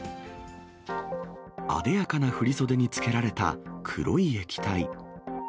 あでやかな振り袖につけられた黒い液体。